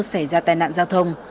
xảy ra tai nạn giao thông